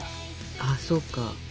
ああそうか。